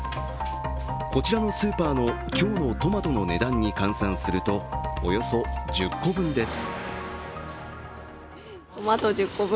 こちらのスーパーの今日のトマトの値段に換算するとおよそ１０個分です。